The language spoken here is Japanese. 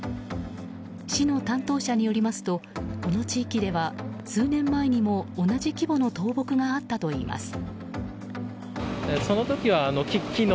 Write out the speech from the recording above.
市の担当者によりますとこの地域では数年前にも同じ規模の倒木があったといいます。